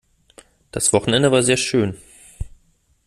Das Wochenende war sehr schón.